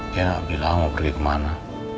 dia gak bilang mau pergi kemana